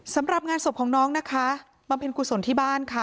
สำหรับงานศพของน้องนะคะบำเพ็ญกุศลที่บ้านค่ะ